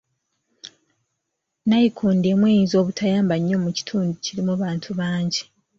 Nayikondo emu eyinza obutayamba nnyo mu kitundu kirimu bantu bangi.